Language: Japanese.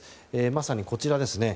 まさにこちらです。